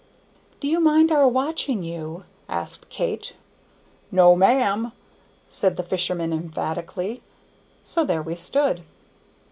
"Do you mind our watching you?" asked Kate. "No, ma'am!" said the fisherman emphatically. So there we stood.